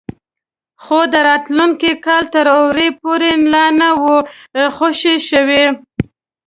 خو د راتلونکي کال تر اوړي پورې لا نه وو خوشي شوي.